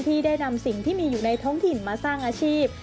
ที่ได้นำสิ่งที่มีอยู่ในท้องถิ่นมาสร้างอาชีพ